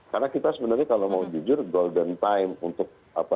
karena kita sebenarnya kalau mau jujur golden time untuk